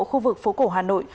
khu vực phố cổ hà nội